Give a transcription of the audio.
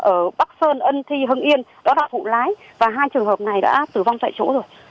ở bắc sơn ân thi hưng yên đó là phụ lái và hai trường hợp này đã tử vong tại chỗ rồi